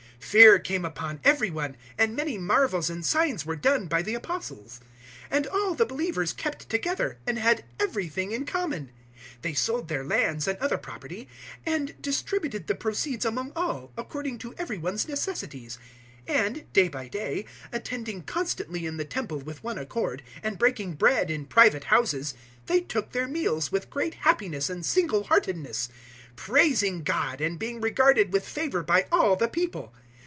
002:043 Fear came upon every one, and many marvels and signs were done by the Apostles. 002:044 And all the believers kept together, and had everything in common. 002:045 They sold their lands and other property, and distributed the proceeds among all, according to every one's necessities. 002:046 And, day by day, attending constantly in the Temple with one accord, and breaking bread in private houses, they took their meals with great happiness and single heartedness, 002:047 praising God and being regarded with favour by all the people.